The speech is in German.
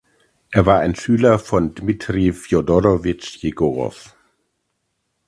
Er war ein Schüler von Dmitri Fjodorowitsch Jegorow.